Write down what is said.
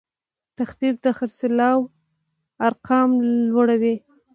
تخفیف د خرڅلاو ارقام لوړوي.